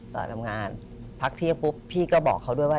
ตอนทำงานพักเที่ยงปุ๊บพี่ก็บอกเขาด้วยว่า